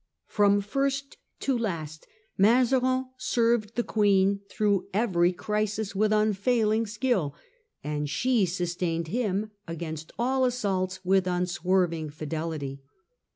From first to last Mazarin served the Queen through every crisis with unfailing skill, and she sustained him against all assaults with unswerving fidelity.